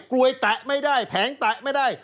รวยแตะไม่ได้แผงแตะไม่ได้